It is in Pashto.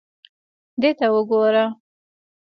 دې ته وګوره.